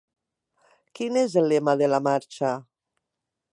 Quin és el lema de la marxa?